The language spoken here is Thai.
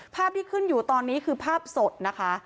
ภาพที่ขึ้นอยู่ตอนนี้คือภาพสดนะคะ